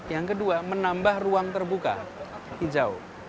yang kedua menambah ruang terbuka hijau